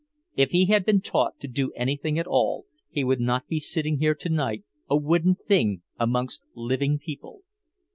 If he had been taught to do anything at all, he would not be sitting here tonight a wooden thing amongst living people.